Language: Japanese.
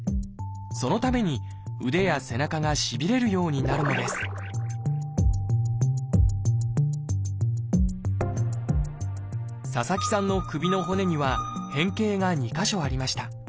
そのために腕や背中がしびれるようになるのです佐々木さんの首の骨には変形が２か所ありました。